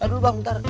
aduh bang bentar